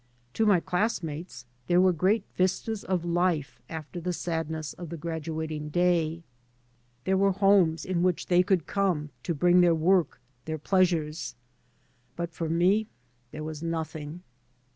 To my classmates there were great vistas of life after the sadness of the graduating day. There were homes in which [>37] 3 by Google MY MOTHER AND I they could come to bring their work, their pleasures. But for me — there was nothing.